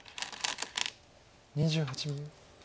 ２８秒。